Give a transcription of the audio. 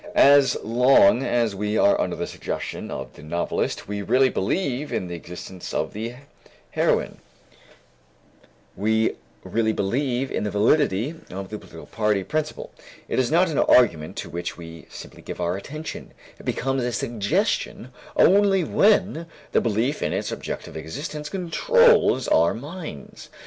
As long as we are under the suggestion of the novelist, we really believe in the existence of the heroine; we really believe in the validity of the political party principle; it is not an argument to which we simply give our attention, it becomes a suggestion only when the belief in its objective existence controls our minds.